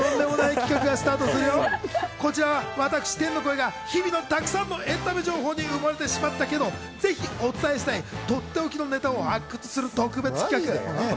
こちらは私、天の声が日々のたくさんのエンタメ情報に埋もれてしまったけど、ぜひお伝えしたいとっておきのネタを発掘する特別企画。